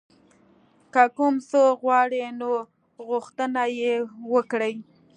که کوم څه غواړئ نو غوښتنه یې وکړئ.